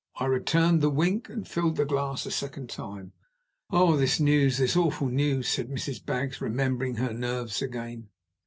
I returned the wink and filled the glass a second time. "Oh, this news, this awful news!" said Mrs. Baggs, remembering her nerves again.